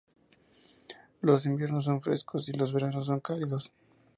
Los inviernos son frescos y los veranos son cálidos.